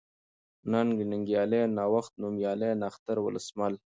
ننگ ، ننگيالی ، نوښت ، نوميالی ، نښتر ، ولسمل